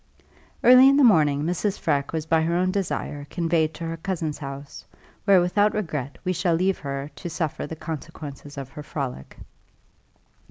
Early in the morning Mrs. Freke was by her own desire conveyed to her cousin's house, where without regret we shall leave her to suffer the consequences of her frolic.